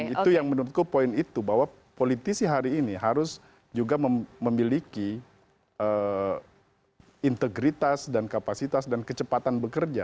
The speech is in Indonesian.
dan itu yang menurutku poin itu bahwa politisi hari ini harus juga memiliki integritas dan kapasitas dan kecepatan bekerja